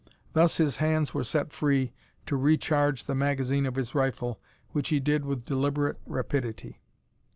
Thus his hands were set free to re charge the magazine of his rifle, which he did with deliberate rapidity.